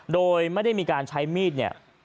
โดยไม่ได้มีการใช้มีดเนี่ย